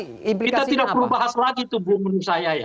kita tidak perlu bahas lagi itu